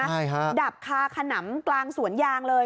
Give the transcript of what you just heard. ใช่ฮะดับคาขนำกลางสวนยางเลย